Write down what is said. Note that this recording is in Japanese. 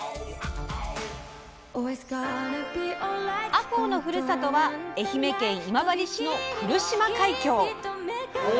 あこうのふるさとは愛媛県今治市の来島海峡。